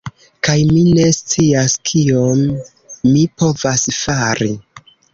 Kaj, mi ne scias kion mi povas fari.